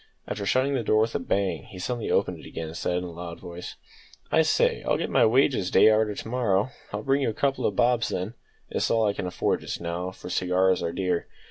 After shutting the door with a bang, he suddenly opened it again, and said in a loud voice "I say, I'll get my wages day arter to morrow. I'll bring you a couple o' bobs then. It's all I can afford just now, for cigars are dear.